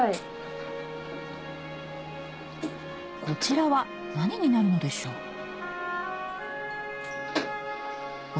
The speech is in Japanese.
こちらは何になるのでしょう？